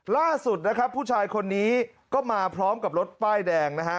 ล่าสุดนะครับผู้ชายคนนี้ก็มาพร้อมกับรถป้ายแดงนะฮะ